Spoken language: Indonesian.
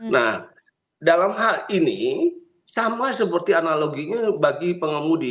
nah dalam hal ini sama seperti analoginya bagi pengemudi